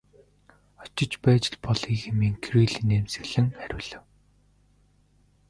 Очиж байж л болъё хэмээн Кирилл инээмсэглэн хариулав.